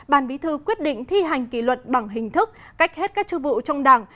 bàn bí thư quyết định thi hành kỷ luật bằng hình thức cách hết các chư vụ trong đảng